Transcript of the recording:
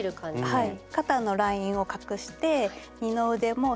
はい。